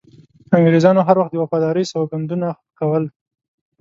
انګریزانو هر وخت د وفادارۍ سوګندونه کول.